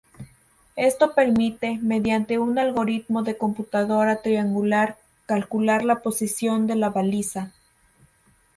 Esto permite, mediante un algoritmo de computadora triangular calcular la posición de la baliza.